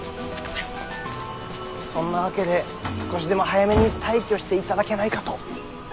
そんなわけで少しでも早めに退去していただけないかと。